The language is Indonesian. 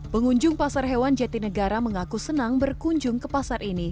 pengunjung pasar hewan jatinegara mengaku senang berkunjung ke pasar ini